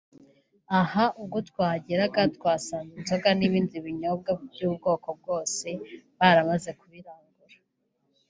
Aha ubwo twahageraga twasanze inzoga n’ibindi binyobwa by’ubwoko bwose baramaze kubirangura